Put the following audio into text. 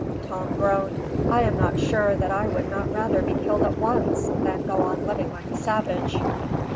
Tom groaned. "I am not sure that I would not rather be killed at once, than go on living like a savage."